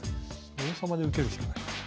王様で受けるしかない。